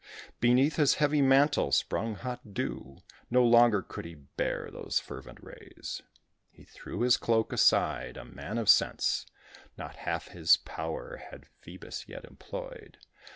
Beneath his heavy mantle sprung hot dew No longer could he bear those fervent rays He threw his cloak aside (a man of sense); Not half his power had Phœbus yet employed.